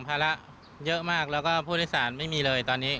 ภาระเยอะมากแล้วก็ผู้โดยสารไม่มีเลยตอนนี้